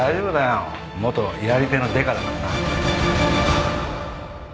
元やり手のデカだからな。